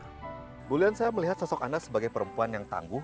ibu lian saya melihat sasok anda sebagai perempuan yang tangguh